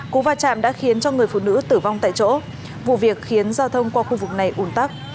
cú va chạm đã khiến cho người phụ nữ tử vong tại chỗ vụ việc khiến giao thông qua khu vực này ủn tắc